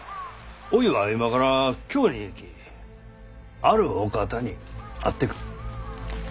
おいは今から京に行きあるお方に会ってくる。